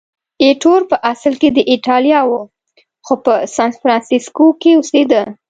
ایټور په اصل کې د ایټالیا و، خو په سانفرانسیسکو کې اوسېده.